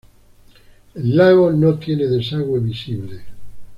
El lago no tiene desagüe visible.